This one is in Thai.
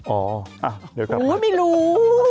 อ๋อโอ้โฮไม่รู้